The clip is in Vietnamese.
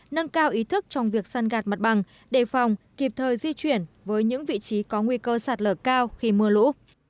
nâng cao ý thức trong việc săn gạt mặt bằng đề phòng kịp thời di chuyển với những vị trí có nguy cơ sạt lở cao khi mưa lũ